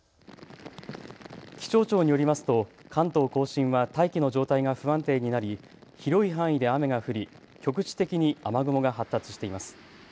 気象庁によりますと関東甲信は大気の状態が不安定になり広い範囲で雨が降り局地的に雨雲が発達しています。